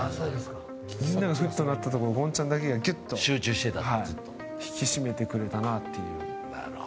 みんながフッとなったところを権ちゃんだけが、ギュッと引き締めてくれたなという。